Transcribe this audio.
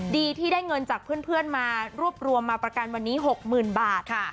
ดีที่ได้เงินจากเพื่อนมารวบรวมมาประกันวันนี้๖๐๐๐บาท